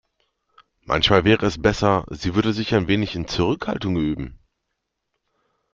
Manchmal wäre es besser, sie würde sich ein wenig in Zurückhaltung üben.